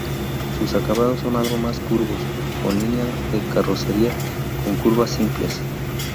Sus acabados son algo más curvos, con línea de carrocería con curvas simples.